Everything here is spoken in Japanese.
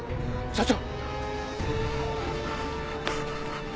社長！